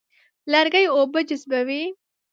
لرګی اوبه جذبوي.